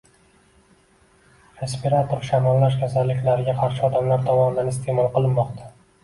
respirator shamollash kasalliklarga qarshi odamlar tomonidan iste’mol qilinmoqda.